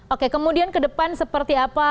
oke kemudian ke depan seperti apa